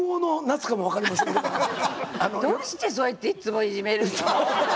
どうしてそうやっていっつもいじめるの？